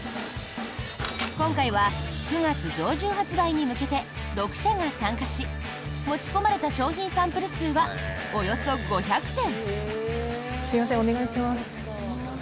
今回は、９月上旬発売に向けて６社が参加し持ち込まれた商品サンプル数はおよそ５００点。